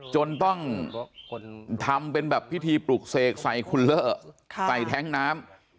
จนต้องทำเป็นแบบพิธีปลุกเสกใส่คุณเลอร์ใส่แท้งน้ำ